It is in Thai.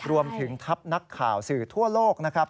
รวมถึงทัพนักข่าวสื่อทั่วโลกนะครับ